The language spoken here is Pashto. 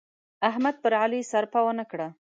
احمد پر علي سرپه و نه کړه.